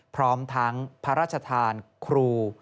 พร้อมทั้งพระราชทานครู